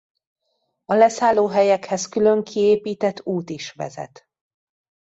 A leszállóhelyekhez külön kiépített út is vezet.